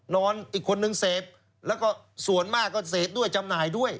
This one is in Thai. นอนอีกคนนึงเสพแล้วก็ส่วนมากก็เสพด้วยจำหน่ายด้วย